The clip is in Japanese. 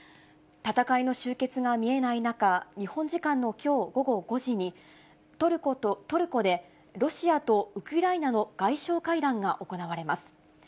戦いの終結が見えない中、日本時間のきょう午後５時に、トルコでロシアとウクライナの外相会談が行われます。